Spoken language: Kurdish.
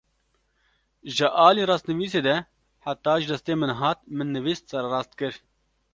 Ji alî rastnivîsê de heta ji destê min hat, min nivîs sererast kir